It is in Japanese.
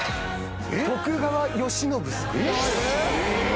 徳川慶喜。